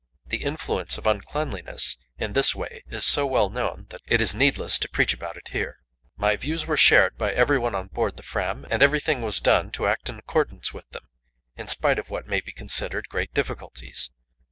The influence of uncleanliness in this way is so well known that it is needless to preach about it here. My views were shared by everyone on board the Fram, and everything was done to act in accordance with them, in spite of what may be considered great difficulties.